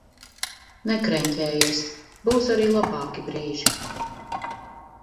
Nekreņķējies! Būs arī labāki brīži!